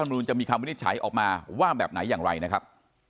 นุนจะมีคำวินิจฉัยออกมาว่าแบบไหนอย่างไรนะครับ